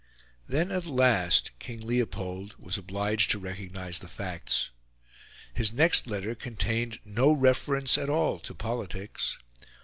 Then at last King Leopold was obliged to recognise the facts. His next letter contained no reference at all to politics.